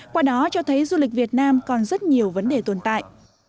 qua đó cho thấy du lịch việt nam còn rất nhiều vấn đề tồn tại